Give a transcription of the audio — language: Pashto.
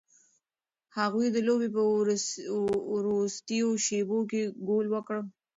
هغوی د لوبې په وروستیو شیبو کې ګول وکړ.